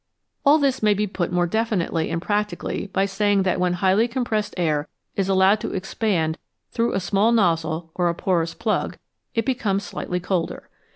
" All this may be put more definitely and practically by saying that when highly compressed air is allowed to expand through a small nozzle or a porous plug, it becomes slightly colder.